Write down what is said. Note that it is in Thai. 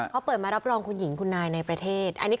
เขาเปิดมารับรองคุณหญิงคุณนายในประเทศ